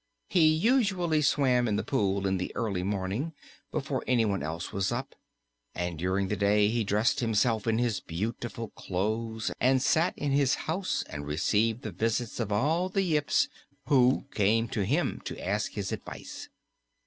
He usually swam in the pool in the early morning before anyone else was up, and during the day he dressed himself in his beautiful clothes and sat in his house and received the visits of all the Yips who came to him to ask his advice.